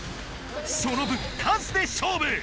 その分数で勝負！